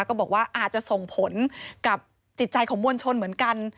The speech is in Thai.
ก็บอกว่าอาจจะส่งผลกับจิตใจของมวลชนเหมือนกัน